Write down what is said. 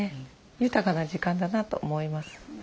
豊かな時間だなと思います。